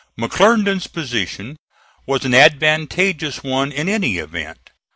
McClernand's position was an advantageous one in any event.